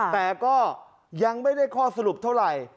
แต่ก็ยังไม่ได้ข้อสรุปเท่าไหร่